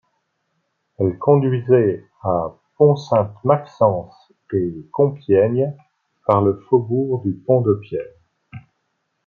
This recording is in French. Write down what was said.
Elle conduisait à Pont-Sainte-Maxence et Compiègne, par le faubourg du Pont-de-Pierre.